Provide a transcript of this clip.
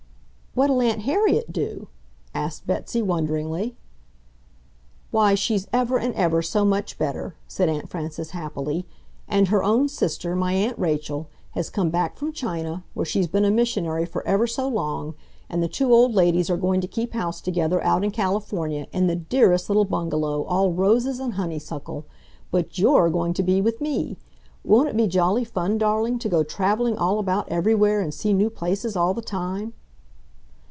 "What'll Aunt Harriet do?" asked Betsy wonderingly. "Why, she's ever and ever so much better," said Aunt Frances happily. "And her own sister, my Aunt Rachel, has come back from China, where she's been a missionary for ever so long, and the two old ladies are going to keep house together out in California, in the dearest little bungalow, all roses and honeysuckle. But YOU'RE going to be with me. Won't it be jolly fun, darling, to go traveling all about everywhere, and see new places all the time!"